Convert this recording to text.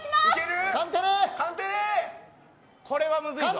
これは難しいぞ。